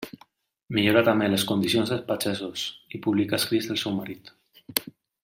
Millora també les condicions dels pagesos, i publica escrits del seu marit.